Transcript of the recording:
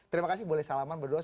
terima kasih boleh salaman berdoa